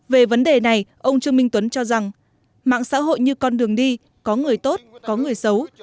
về vấn đề này ông trương minh tuấn cho rằng mạng xã hội như con đường đi có người tốt có người xấu